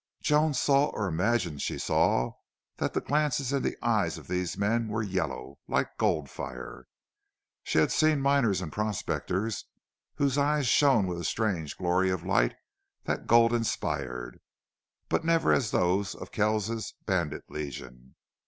Joan saw or imagined she saw that the glances in the eyes of these men were yellow, like gold fire. She had seen miners and prospectors whose eyes shone with a strange glory of light that gold inspired, but never as those of Kells's bandit Legion.